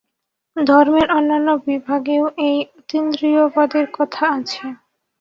ধর্মের অন্যান্য বিভাগেও এই অতীন্দ্রিয়বাদের কথা আছে।